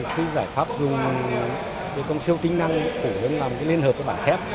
khi giải pháp dùng bề công siêu tính năng của hướng làm liên hợp với bản thép